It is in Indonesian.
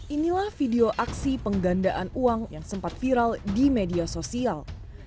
inilah video aksi penggandaan uang yang sempat viral di media sosial